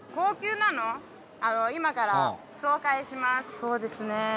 そうですね。